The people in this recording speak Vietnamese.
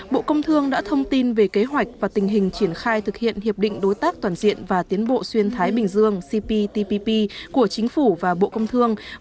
bộ công thương đã thông tin về kế hoạch và tình hình triển khai thực hiện hiệp định đối tác toàn diện và tiến bộ xuyên thái bình dương cptpp của chính phủ và bộ công thương